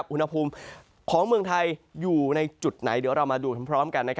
อุณหภูมิของเมืองไทยอยู่ในจุดไหนเดี๋ยวเรามาดูพร้อมกัน